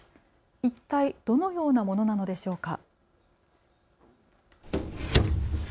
一体どのようなものなのでしょうか。